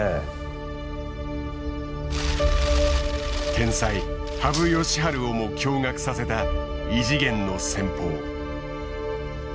天才羽生善治をも驚がくさせた異次元の戦法。